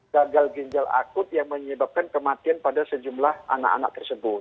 gagal ginjal akut yang menyebabkan kematian pada sejumlah anak anak tersebut